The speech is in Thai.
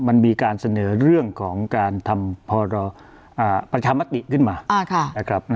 มันมีการเสนอเรื่องของการทำพรประชามติขึ้นมานะครับ